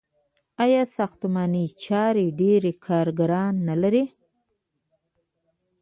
آیا ساختماني چارې ډیر کارګران نلري؟